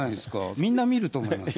みんな見ると思いますよ。